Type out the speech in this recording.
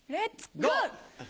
ゴー！